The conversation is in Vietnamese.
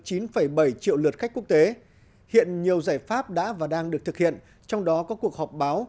chín bảy triệu lượt khách quốc tế hiện nhiều giải pháp đã và đang được thực hiện trong đó có cuộc họp báo